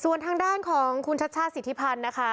ส่วนทางด้านของคุณชัชชาติสิทธิพันธ์นะคะ